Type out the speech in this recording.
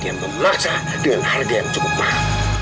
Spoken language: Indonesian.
dan memaksa dengan harga yang cukup mahal